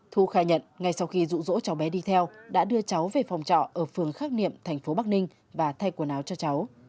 thu khai nhận ngay sau khi rụ rỗ cháu bé đi theo đã đưa cháu về phòng trọ ở phường khắc niệm tp bắc ninh và thay quần áo cho cháu